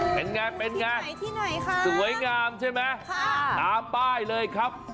เป็นไงสวยงามใช่ไหมตามป้ายเลยครับ